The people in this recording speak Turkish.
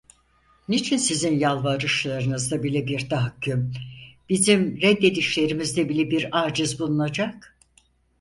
Niçin sizin yalvarışlarınızda bile bir tahakküm, bizim reddedişlerimizde bile bir aciz bulunacak?